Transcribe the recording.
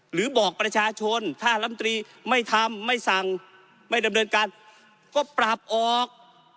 หรือบอกประชาชนถ้าลำตรีไม่ทำไม่สั่งไม่ดำเนินการก็ปรับออก